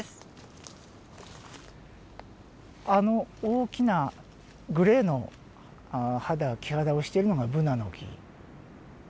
あの大きなグレーの肌木肌をしているのがブナの木。